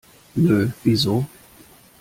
Nö, wieso?